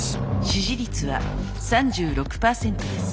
支持率は３６％です。